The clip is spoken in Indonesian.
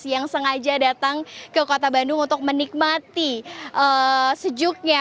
yang sengaja datang ke kota bandung untuk menikmati sejuknya